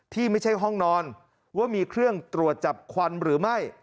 ที่ไม่ใช่ห้องนอนว่ามีเครื่องตรวจจับควันหรือไม่